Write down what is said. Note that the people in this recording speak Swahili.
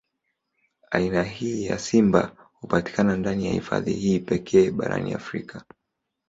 Aina hii ya simba hupatikana ndani ya hifadhi hii pekee barani Afrika.